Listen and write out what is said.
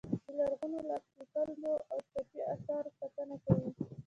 د لرغونو لاس لیکلو او چاپي اثارو ساتنه کوي.